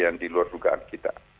yang di luar dugaan kita